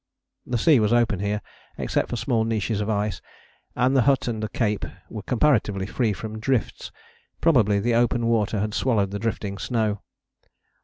The sea was open here, except for small niches of ice, and the hut and the cape were comparatively free from drifts; probably the open water had swallowed the drifting snow.